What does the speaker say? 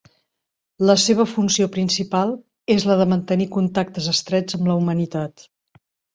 La seva funció principal és la de mantenir contactes estrets amb la humanitat.